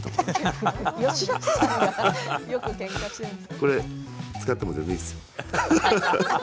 これ使っても全然いいっすよ！